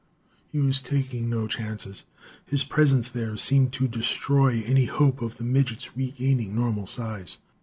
He was taking no chances; his presence there seemed to destroy any hope of the midget's regaining normal size.